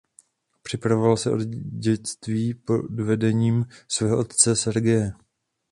Připravoval se od dětství pod vedením svého otce Sergeje.